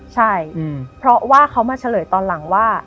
ใช่เพราะว่าเขามาเฉลยตอนหลังว่า